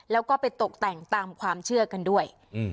แล้วก็ไปตกแต่งตามความเชื่อกันด้วย